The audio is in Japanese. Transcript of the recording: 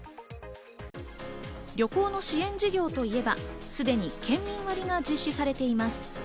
旅行の支援事業といえば、すでに県民割が実施されています。